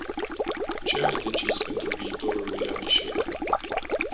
Ce ai decis pentru viitorul lui Abhishek?